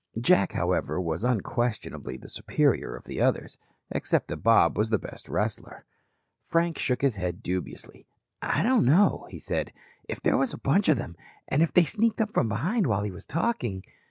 Jack, however, was unquestionably the superior of the others, except that Bob was the best wrestler. Frank shook his head dubiously. "I don't know," he said. "If there was a bunch of them and if they sneaked up from behind while he was talking."